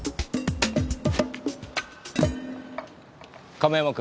亀山君。